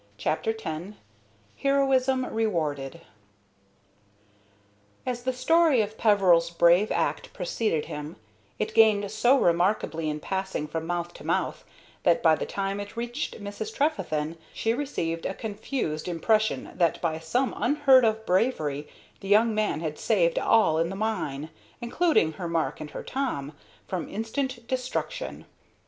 CHAPTER X HEROISM REWARDED As the story of Peveril's brave act preceded him, it gained so remarkably in passing from mouth to mouth that, by the time it reached Mrs. Trefethen, she received a confused impression that by some unheard of bravery the young man had saved all in the mine, including her Mark and her Tom, from instant destruction.